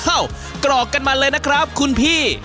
กรอกกันมาเลยนะครับคุณพี่